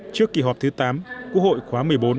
trước kỳ họp thứ tám quốc hội khóa một mươi bốn